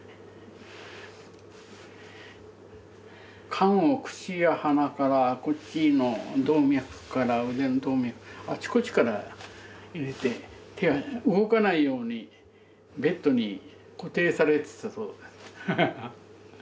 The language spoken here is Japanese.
管を口や鼻からこっちの腕の動脈あちこちから入れて動かないようにベッドに固定されてたそうです。